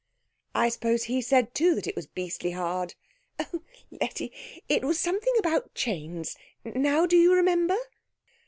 "I suppose he said too that it was beastly hard." "Oh, Letty it was something about chains. Now do you remember?"